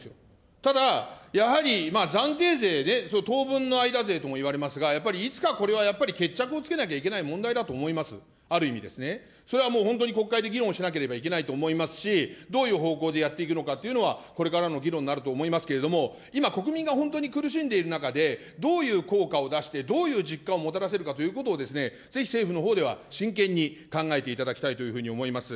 ただ、やはり暫定税で、当分の間税ともいわれますが、いつか、これはやっぱり決着をつけなきゃいけない問題だと思います、ある意味ですね、それはもう本当に国会で議論しなければいけないと思いますし、どういう方向でやっていくのかというのは、これからの議論になると思いますけれども、今、国民が本当に苦しんでいる中で、どういう効果を出して、どういう実感をもたらせるかということを、ぜひ政府のほうでは真剣に考えていただきたいというふうに思います。